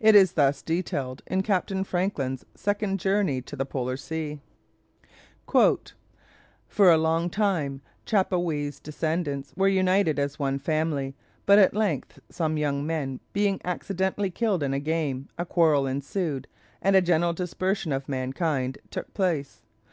It is thus detailed in Captain Franklin's "Second Journey to the Polar Sea:" "For a long time Chapawee's descendants were united as one family, but at length some young men being accidentally killed in a game, a quarrel ensued, and a general dispersion of mankind took place.